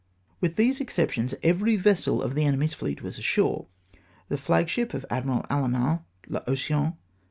With these exceptions, every vessel of the enemy's fleet was ashore. The flag ship of Admiral Allemand, L' Ocean.